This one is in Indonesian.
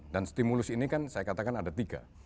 dan stimulus ini kan saya katakan ada tiga